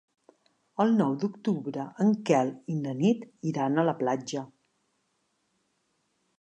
El nou d'octubre en Quel i na Nit iran a la platja.